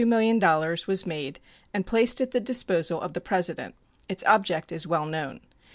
000 was made and placed at the disposal of the President. Its object is well known.